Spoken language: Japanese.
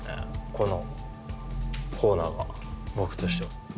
このコーナーが僕としては。